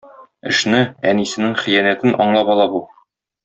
Эшне, әнисенең хыянәтен аңлап ала бу.